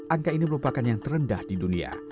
angka ini merupakan yang terendah di dunia